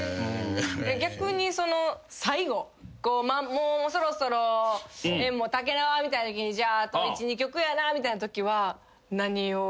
逆に最後もうそろそろ宴もたけなわみたいなときにじゃああと１２曲やなみたいなときは何を歌いますか？